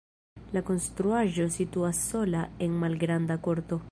La konstruaĵo situas sola en malgranda korto.